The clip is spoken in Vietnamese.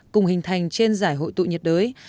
cùng hình thành trên giải hội tụ nhiệt đới